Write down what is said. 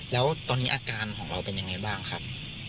แล้วตอนนี้อาการของเราเป็นยังไงบ้างครับ